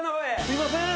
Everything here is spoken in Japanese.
すみません。